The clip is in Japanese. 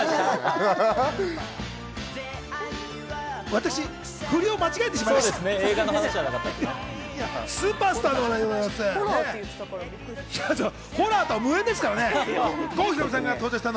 私、振りを間違えてしまいました。